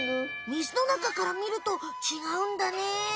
みずのなかからみるとちがうんだね。